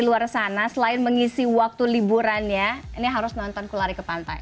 di luar sana selain mengisi waktu liburannya ini harus nonton kulari ke pantai